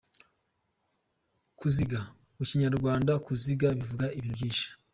Kuziga : Mu Kinyarwanda kuziga bivuga ibintu byinshi.